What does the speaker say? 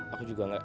aku juga nggak